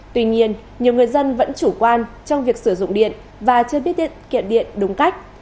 tuy nhiên nhiều người dân vẫn chủ quan trong việc sử dụng điện và chưa biết tiết kiệm điện đúng cách